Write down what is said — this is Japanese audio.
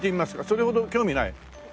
それほど興味ない？